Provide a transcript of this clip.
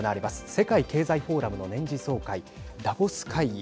世界経済フォーラムの年次総会ダボス会議。